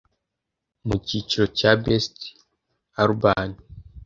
mu cyiciro cya Best Urban